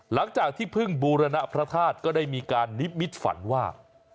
หลังจากที่เพิ่งบูรณพระธาตุก็ได้มีการนิมิตฝันว่า